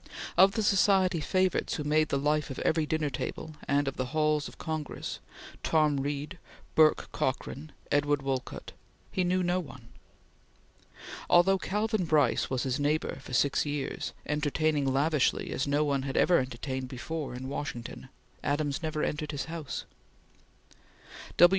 Of the society favorites who made the life of every dinner table and of the halls of Congress Tom Reed, Bourke Cockran, Edward Wolcott he knew not one. Although Calvin Brice was his next neighbor for six years, entertaining lavishly as no one had ever entertained before in Washington, Adams never entered his house.